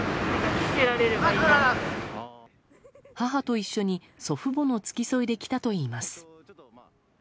母と一緒に祖父母の付き添いで来たといいます。